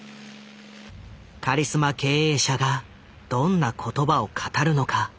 カリスマ経営者がどんな言葉を語るのか？